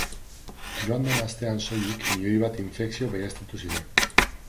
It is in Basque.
Joan den astean soilik, milioi bat infekzio baieztatu ziren.